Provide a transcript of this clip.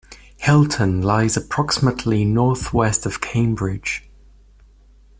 Hilton lies approximately north-west of Cambridge.